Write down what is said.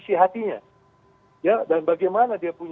sebuah komitmen dari mereka itu adalah bagaimana isi hatinya